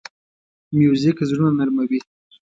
موزیک زړونه نرمه وي.